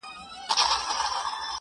نه له خدای او نه رسوله یې بېرېږې,